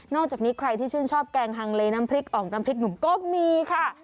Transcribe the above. อกจากนี้ใครที่ชื่นชอบแกงฮังเลน้ำพริกออกน้ำพริกหนุ่มก็มีค่ะ